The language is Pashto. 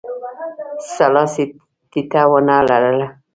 سلاسي ټیټه ونه لرله.